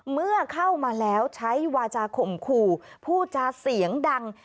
เมื่อเข้ามาแล้วใช้วาจาข่มขู่ผู้จาเสียงดัง